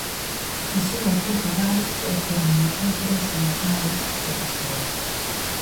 Fuxiu a Portugal e permaneceu preso en Chaves e Lisboa.